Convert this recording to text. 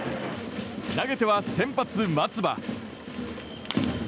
投げては先発、松葉。